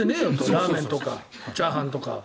ラーメンとかチャーハンとかと。